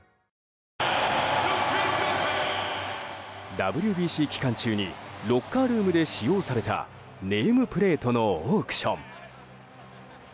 ＷＢＣ期間中にロッカールームで使用されたネームプレートのオークション。